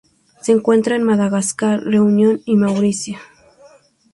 Se encuentra en Madagascar, Reunión y Mauricio.